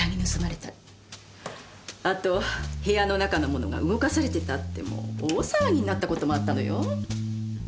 あと部屋の中の物が動かされてたってもう大騒ぎになった事もあったのよ。